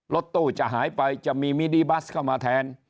รถตู้จะหายไปจะมีมินิบัสเข้ามาแทน